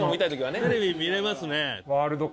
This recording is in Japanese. テレビ見れますね。